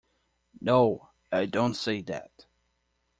No, I don't say that.